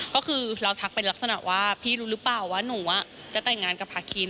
ก็คือเราทักเป็นลักษณะว่าพี่รู้หรือเปล่าว่าหนูจะแต่งงานกับพาคิน